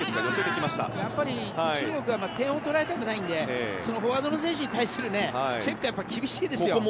やっぱり中国は点を取られたくないのでフォワードの選手に対するチェックは厳しいですよ。